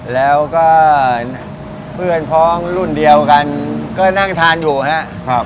แล้วก็เพื่อนพ้องรุ่นเดียวกันก็นั่งทานอยู่ครับ